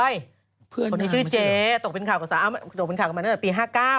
อ๊อยคนที่ชื่อเจ๊ตกเป็นข่าวกับภารกิชาตั้งแต่ปี๕๙